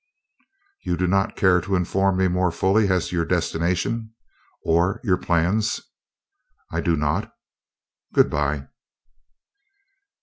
"You do not care to inform me more fully as to your destination or your plans?" "I do not. Goodbye."